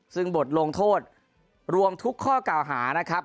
ซึ่งบทลงโทษรวมทุกข้อกล่าวหานะครับ